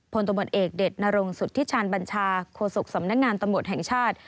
ตำรวจเอกเด็ดนรงสุธิชาญบัญชาโคศกสำนักงานตำรวจแห่งชาติ